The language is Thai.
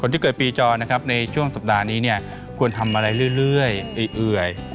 ที่เกิดปีจอนะครับในช่วงสัปดาห์นี้เนี่ยควรทำอะไรเรื่อยเอื่อย